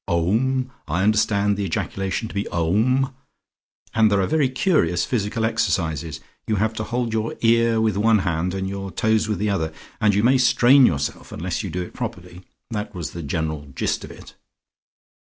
"Om. I understand the ejaculation to be Om. And there are very curious physical exercises; you have to hold your ear with one hand and your toes with the other, and you may strain yourself unless you do it properly. That was the general gist of it."